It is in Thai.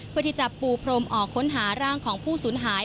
เพื่อที่จะปูพรมออกค้นหาร่างของผู้สูญหาย